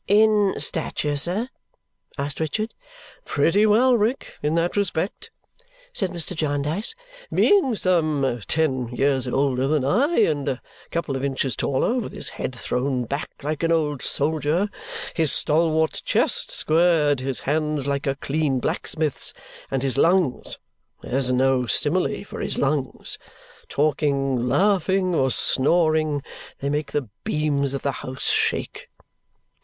"In stature, sir?" asked Richard. "Pretty well, Rick, in that respect," said Mr. Jarndyce; "being some ten years older than I and a couple of inches taller, with his head thrown back like an old soldier, his stalwart chest squared, his hands like a clean blacksmith's, and his lungs! There's no simile for his lungs. Talking, laughing, or snoring, they make the beams of the house shake."